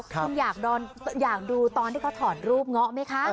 คุณอยากดูตอนที่เขาถอดรูปเงาะไหมคะ